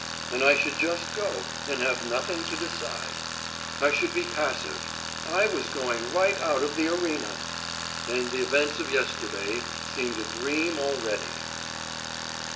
And I should just go, and have nothing to decide. I should be passive. I was going right out of the arena! And the events of yesterday seemed a dream already.